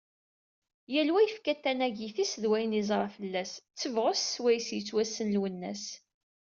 Yal wa yefka-d tanagit-is d wayen yeẓra fell-as, d tebɣest swayes yettwassen Lwennas.